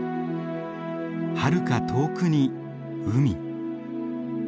はるか遠くに海。